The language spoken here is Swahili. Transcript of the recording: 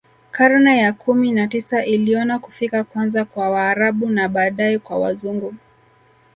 Karne ya kumi na tisa iliona kufika kwanza kwa Waarabu na baadae kwa Wazungu